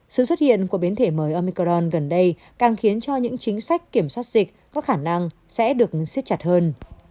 sự xuất hiện của biến thể mới omicron gần đây càng khiến cho những chính sách kiểm soát dịch có khả năng sẽ được xiết chặt hơn